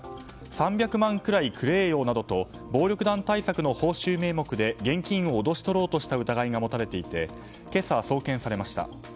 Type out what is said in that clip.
３００万くらいくれえよなどと暴力団対策の報酬名目で現金を脅し取ろうとした疑いが持たれていて今朝、送検されました。